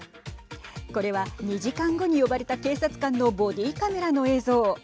これは２時間後に呼ばれた警察官のボディーカメラの映像。